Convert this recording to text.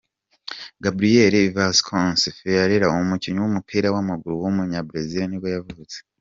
Gabriel Vasconcelos Ferreira, umukinnyi w’umupira w’amaguru w’umunyabrezil nibwo yavutse.